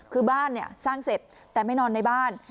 คือบ้านเนี่ยสร้างเสร็จแต่ไม่นอนในบ้าน